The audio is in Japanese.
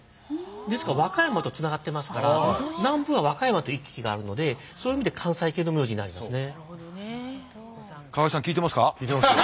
ですから和歌山とつながってますから南部は和歌山と行き来があるのでそういう意味で関西系の名字になりますね。